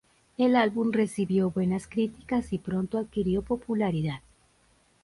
El álbum recibió buenas críticas y pronto adquirió popularidad.